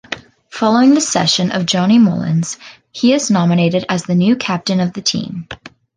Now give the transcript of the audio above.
Following the cession of Johnny Mullins, he is nominated as the new captain of the team.